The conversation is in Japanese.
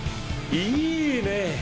いいね。